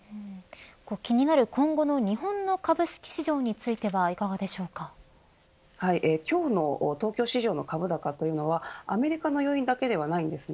気になる今後の日本の株式市場については今日の東京市場の株高というのはアメリカの要因だけではありません。